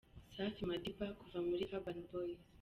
Safi Madiba kuva muri Urban Boys .